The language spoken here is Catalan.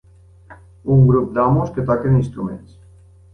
Un grup d'homes que toquen instruments.